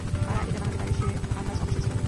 কারা এটা বানাতে পারে সে আন্দাজ অবশ্য ছিল না।